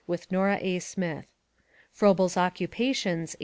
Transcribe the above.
(With Nora A. Smith.) Froebel's Occupations, 1896.